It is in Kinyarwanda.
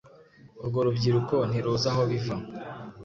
urwo rubyiruko ntiruzi aho biva